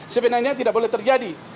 sebenarnya tidak boleh terjadi